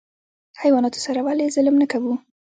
حیواناتو سره ولې ظلم نه کوو؟